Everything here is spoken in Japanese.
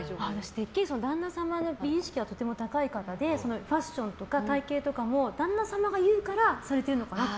てっきり、旦那様の美意識がとても高い方でファッションとか体形とかも旦那様が言うから全くです。